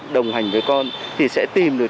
đồng hành với con thì sẽ tìm được